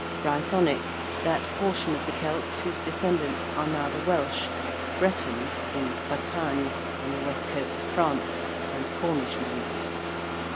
~Brythonic~: that portion of the Celts whose descendants are now the Welsh, Bretons: (in Bretagne, on the west coast of France), and Cornishmen.